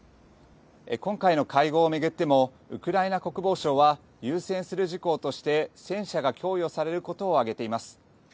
今回の会合を巡ってもウクライナ国防省は優先する事項として戦車が供与されることを挙げています。